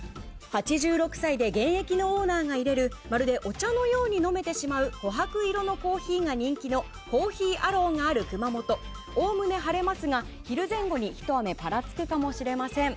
８６歳で現役のオーナーが入れるまるでお茶のように飲めてしまう琥珀色のコーヒーが人気の珈琲アローがある熊本おおむね晴れますが昼前後にひと雨ぱらつくかもしれません。